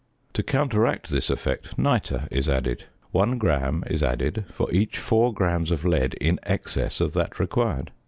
To counteract this effect nitre is added; 1 gram is added for each 4 grams of lead in excess of that required.